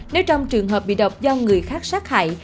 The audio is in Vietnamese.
nếu trong trường hợp bị độc do người khác sát hại